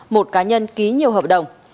một cá nhân ký nhiều hợp đồng